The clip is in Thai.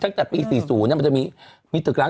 กลายเป็นบริษัทชีนแบบใหญ่